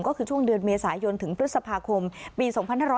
ก็คือช่วงเดือนเมษายนถึงพฤษภาคมปี๒๕๖๐